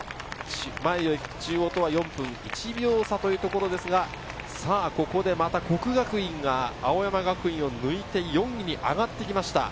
前を行く中央とは４分１秒差というところですが、さぁ、ここでまた國學院が青山学院を抜いて、４位に上がってきました。